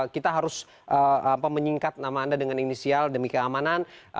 kita harus menyingkat nama anda dengan inisial demi keamanan